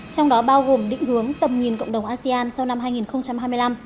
trong đó bao gồm định hướng tầm nhìn cộng đồng asean sau năm hai nghìn hai mươi năm